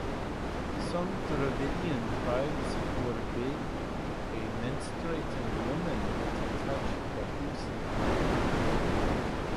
Some Dravidian tribes forbid a menstruating woman to touch the house-thatch.